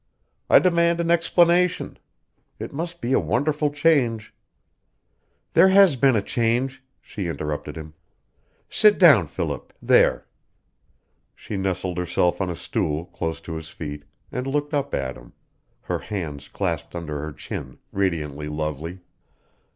I demand an explanation. It must be a wonderful change " "There has been a change," she interrupted him. "Sit down, Philip there!" She nestled herself on a stool, close to his feet, and looked up at him, her hands clasped under her chin, radiantly lovely.